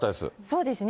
そうですね。